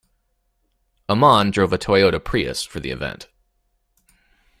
Amon drove a Toyota Prius for the event.